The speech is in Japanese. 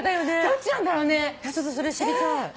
ちょっとそれ知りたい。